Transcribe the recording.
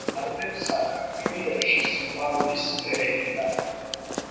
ვარდებსა და გვირილებში სიყვარულის ფერებია.